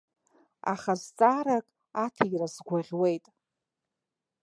Аха зҵаарак аҭира згәаӷьуеит.